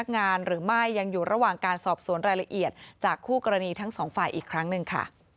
สวัสดีครับ